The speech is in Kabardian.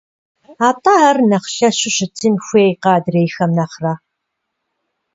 АтӀэ ар нэхъ лъэщу щытын хуейкъэ адрейхэм нэхърэ?».